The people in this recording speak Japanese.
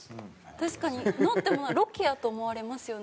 確かに乗ってもロケやと思われますよね